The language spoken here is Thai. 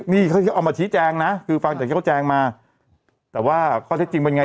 นี่เขาเอามาชี้แจงนะคือฟังจากที่เขาแจงมาแต่ว่าข้อเท็จจริงเป็นไง